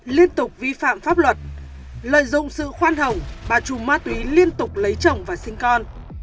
liên tục vi phạm pháp luật lợi dụng sự khoan hồng bà tru ma túy liên tục lấy chồng và sinh con